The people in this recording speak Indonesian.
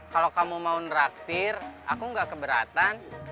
kalau kamu mau neraktir aku gak keberatan